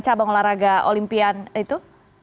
cabang olahraga olimpian itu